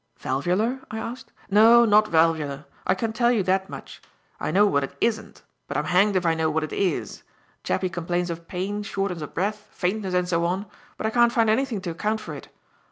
"Valvular?" I asked. "No, not valvular; I can tell you that much. I know what it isn't, but I'm hanged if I know what it is. Chappie complains of pain, shortness of breath, faintness and so on, but I can't find anything to account for it.